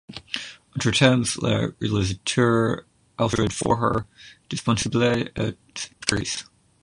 Entre-temps, le réalisateur Alfred Vorher, disponible, est pris.